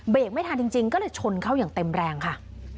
ไม่ทันจริงก็เลยชนเข้าอย่างเต็มแรงค่ะ